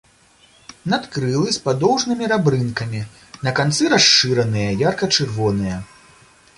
Надкрылы з падоўжнымі рабрынкамі, на канцы расшыраныя, ярка-чырвоныя.